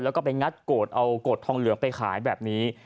แล้วก็ไปงัดโกรธเอาโกรธทองเหลืองไปขายแบบนี้